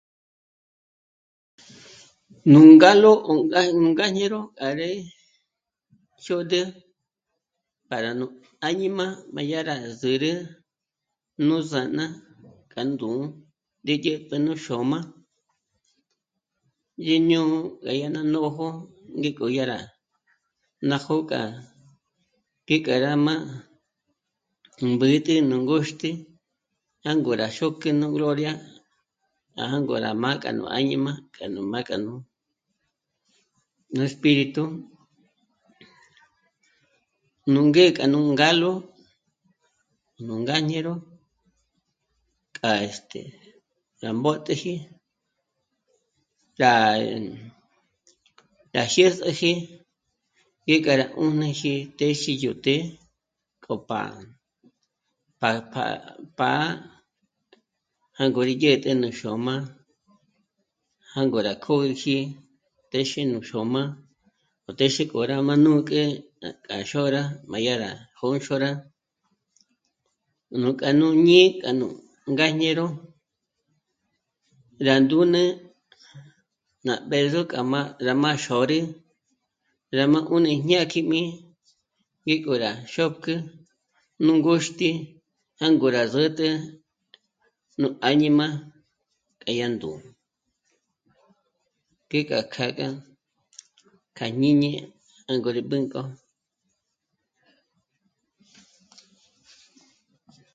Nú ngálo o ngá... nú ngáñero 'àre xôd'ü para nú áñima má dyá rá zǚrü nú zána ká ndú'u ndédye pa nú xôm'a ñéñyo má dyá ná nójo, ngék'o dyá rá ná jó'o k'a ngék'a rá má nú mbǚtü nú ngôxti jângo rá xókjü nú Gloria rá jângo rá mâ'a ká nú áñima k'a nú mâ'a ká nú, nú espíritu nú ngék'a nú ngálo nú ngáñero k'á este... rá mbö́teji, rá jyë́s'ëji ngék'a rá 'ǜniji téxe yó të́'ë k'o pa..., pa..., pá... pá'a jângo rí dyä̀t'ä nú xôm'a jângo rá kjób'üji téxe nú xôm'a, téxe k'o rá mâ'a nú k'e... k'a xôra má dyá rá jónxora nú k'a nú ñǐ'i k'a nú ngáñero rá ndúne ná b'ë̌zo k'a má rá má xôri, rá má 'ǜni jñákjimi ngék'o rá xókjü nú ngôxti jângo rá zä̀t'ä nú áñima k'a yá ndú'u, ngék'a kjâ'a gá kjá jñîñi jângo rí b'ǚnk'o